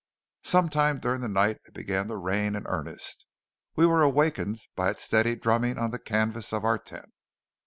Sometime during the night it began to rain in earnest. We were awakened by its steady drumming on the canvas of our tent.